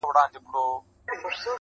• د هغه مغفور روح ته دعا کوم -